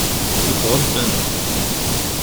Itɣebben.